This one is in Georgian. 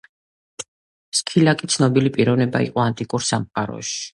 სქილაკი ცნობილი პიროვნება იყო ანტიკურ სამყაროში.